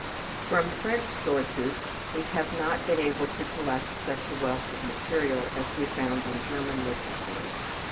From French sources we have not been able to collect such a wealth of material as we found in German literature.